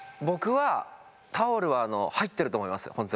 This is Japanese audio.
ボクはタオルは入ってると思いますよ